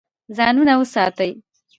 ځانونه وساتئ.